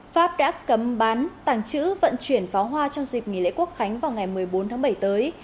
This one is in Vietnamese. pháp đã cấm bán tàng trữ vận chuyển pháo hoa trong dịp nghỉ lễ quốc khánh vào ngày một mươi bốn tháng bảy tới